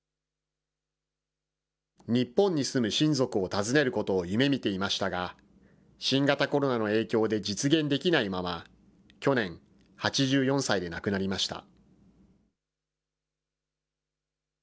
日本に住む親族を訪ねることを夢みていましたが、新型コロナの影響で実現できないまま、去年、８４歳で亡くなりました。